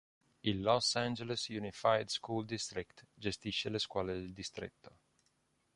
Il Los Angeles Unified School District gestisce le scuole del distretto.